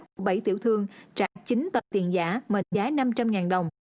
của bảy tiểu thương trả chín tập tiền giả mệnh giá năm trăm linh đồng